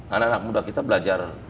karena anak muda kita belajar